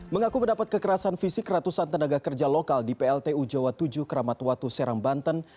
mengaku mendapat kekerasan fisik ratusan tenaga kerja lokal di pltu jawa tujuh keramatwatu serang banten